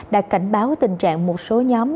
đã cảnh báo tình trạng một số nhóm